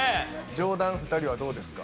上段２人はどうですか？